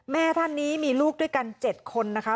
แม่ท่านนี้มีลูกด้วยกัน๗คนนะคะ